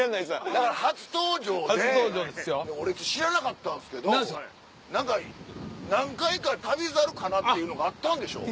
だから初登場でで俺知らなかったんですけど何か何回か『旅猿』かな？っていうのがあったんでしょ？